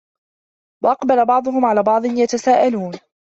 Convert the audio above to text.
وَأَقبَلَ بَعضُهُم عَلى بَعضٍ يَتَساءَلونَ